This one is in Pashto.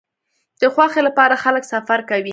د خوښۍ لپاره خلک سفر کوي.